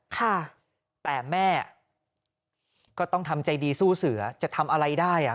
ค่ะแต่แม่ก็ต้องทำใจดีสู้เสือจะทำอะไรได้อ่ะ